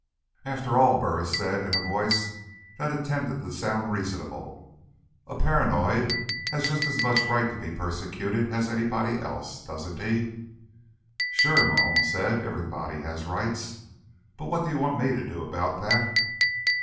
"After all," Burris said, in a voice that attempted to sound reasonable, "a paranoid has just as much right to be persecuted as anybody else, doesn't he?" "Sure," Malone said. "Everybody has rights. But what do you want me to do about that?"